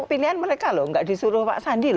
pilihan mereka loh nggak disuruh pak sandi loh